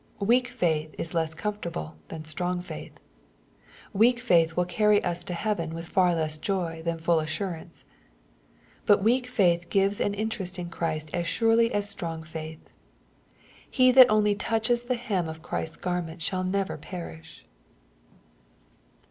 Weak faith is less comfortable than strong faith. Weak faith will carry us to heaven with far less joy than full assurance. But weak faith gives an interest in Christ as surely as strong faith. He that only touches the hem of Christ's garment shall never perish.